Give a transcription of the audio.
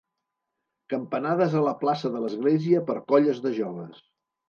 Campanades a la plaça de l'església per colles de joves.